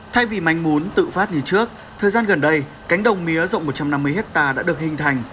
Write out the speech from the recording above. thay vì mánh muốn tự phát như trước thời gian gần đây cánh đồng mía rộng một trăm năm mươi hectare đã được hình thành